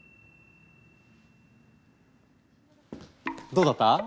どうだった？